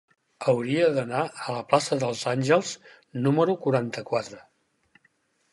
Hauria d'anar a la plaça dels Àngels número quaranta-quatre.